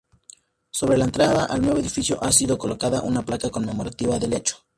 Sobre la entrada al nuevo edificio ha sido colocada una placa conmemorativa del hecho.